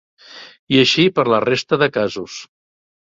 I així per la resta de casos.